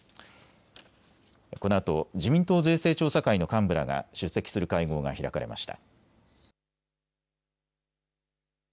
このあと自民党税制調査会の幹部らが出席する会合が開かれました。